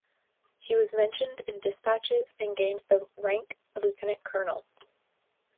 He was mentioned in dispatches and gained the rank of lieutenant colonel.